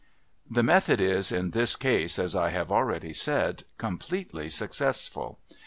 The method is, in this case, as I have already said, completely successful.